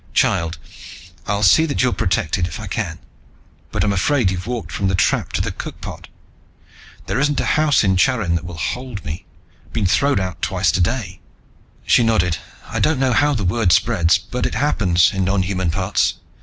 "Child, I'll see that you're protected, if I can. But I'm afraid you've walked from the trap to the cookpot. There isn't a house in Charin that will hold me. I've been thrown out twice today." She nodded. "I don't know how the word spreads, but it happens, in nonhuman parts.